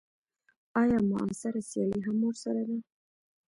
ایا معاصره سیالي هم ورسره ده.